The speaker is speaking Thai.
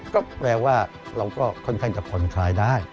ก็แปลว่าเราก็ค่อนข้างจะผ่อนคลายได้